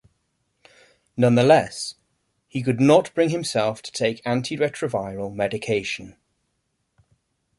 Nonetheless, he could not bring himself to take antiretroviral medication.